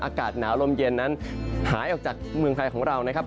อากาศหนาวลมเย็นนั้นหายออกจากเมืองไทยของเรานะครับ